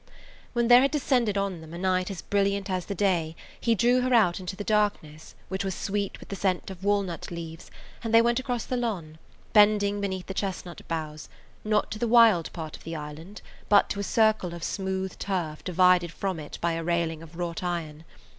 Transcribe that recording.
When there had descended on them a night as brilliant as the day he drew her out into the darkness, which was sweet with the scent of walnut leaves, and they [Page 78] went across the lawn, bending beneath the chestnut boughs, not to the wild part of the island, but to a circle of smooth turf divided from it by a railing of wrought iron.